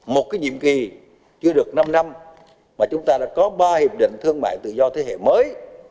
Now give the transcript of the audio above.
một cái nhiệm kỳ chưa được năm năm mà chúng ta đã có ba hiệp định thương mại tự do thế hệ mới